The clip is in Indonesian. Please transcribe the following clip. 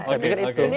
saya pikir itu